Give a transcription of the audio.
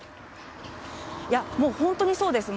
もう本当にそうです。